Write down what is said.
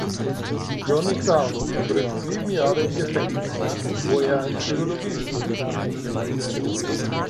Johnny Crown verbringt sieben Jahre im Gefängnis, wo er ein Psychologiestudium absolviert.